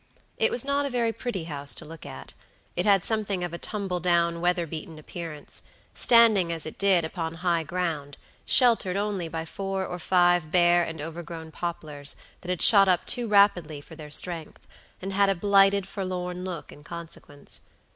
It was not a very pretty house to look at; it had something of a tumble down, weather beaten appearance, standing, as it did, upon high ground, sheltered only by four or five bare and overgrown poplars, that had shot up too rapidly for their strength, and had a blighted, forlorn look in consequence.